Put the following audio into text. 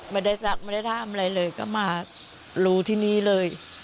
ไม่ได้สักไม่ได้ทำอะไรเลยก็มารู้ที่นี่เลย